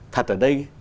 thật ở đây